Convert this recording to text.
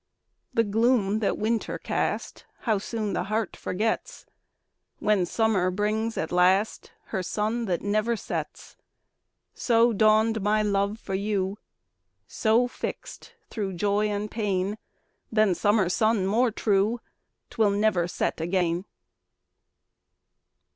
The gloom that winter cast, How soon the heart forgets, When summer brings, at last, Her sun that never sets! So dawned my love for you; So, fixt thro' joy and pain, Than summer sun more true, 'Twill never set again.